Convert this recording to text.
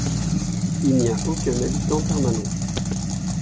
Il n'y a aucun habitant permanent.